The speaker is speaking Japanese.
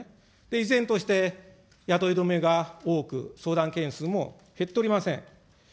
依然として雇い止めが多く、相談件数も減っておりません。